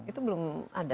itu belum ada